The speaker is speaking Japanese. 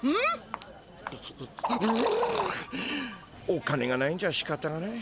お金がないんじゃしかたがない。